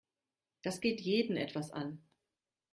Das geht jeden etwas an.